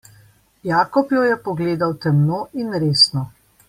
Jakob jo je pogledal temno in resno.